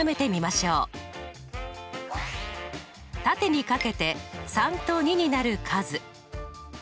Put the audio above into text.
縦に掛けて３と２になる数。